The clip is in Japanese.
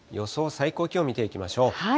最高気温見ていきましょう。